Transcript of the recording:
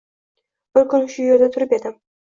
Bir kuni shu yerda turib edim